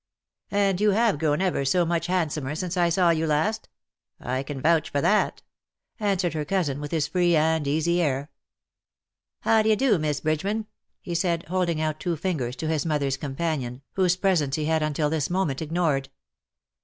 " And you have grown ever so much handsomer since I saw you last. I can vouch for that/' answered her cousin with his free and easy air. " How d'ye do, Miss Bridgeman ?" he said^ holding out two fingers to his mother^s companion, whose presence he had until this moment ignored.